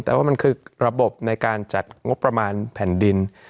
แต่ว่ามันคือระบบในการจัดงบประมาณแผ่นดิน